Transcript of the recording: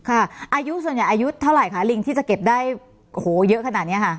อายุส่วนใหญ่อายุเท่าไหร่คะลิงที่จะเก็บได้โอ้โหเยอะขนาดนี้ค่ะ